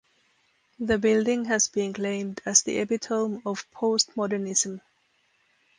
The building has been claimed as the epitome of Post-modernism.